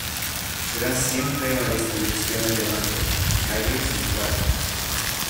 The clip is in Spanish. Se da siempre una distribución de banco, calles y cuerpos.